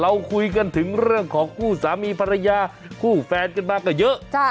เราคุยกันถึงเรื่องของคู่สามีภรรยาคู่แฟนกันมาก็เยอะ